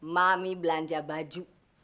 mami belanja baju